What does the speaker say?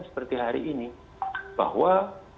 seperti hari ini bahwa